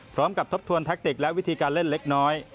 ทบทวนแทคติกและวิธีการเล่นเล็กน้อย